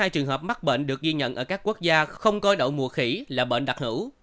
hai trường hợp mắc bệnh được ghi nhận ở các quốc gia không coi đậu mùa khỉ là bệnh đặc hữu